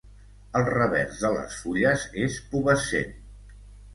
El revers de les fulles és pubescent.